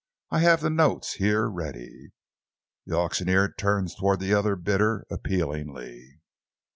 I have the notes here ready." The auctioneer turned towards the other bidder appealingly.